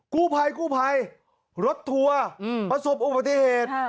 กู้ไภรถทัวร์ประสบอุบัติเหตุ